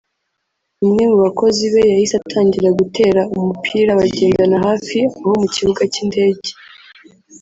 umwe mu bakozi be yahise atangira gutera umupira bagendana hafi aho mu kibuga cy’indege